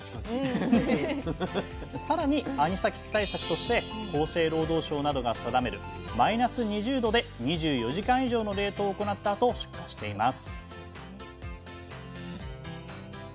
さらにアニサキス対策として厚生労働省などが定める「マイナス２０℃で２４時間以上」の冷凍を行ったあと出荷しています